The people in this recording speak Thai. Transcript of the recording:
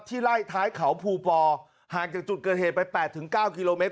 ไล่ท้ายเขาภูปอห่างจากจุดเกิดเหตุไป๘๙กิโลเมตร